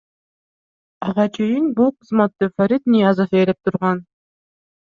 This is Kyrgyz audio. Ага чейин бул кызматты Фарид Ниязов ээлеп турган.